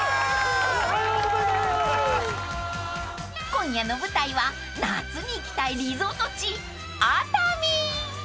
［今夜の舞台は夏に行きたいリゾート地］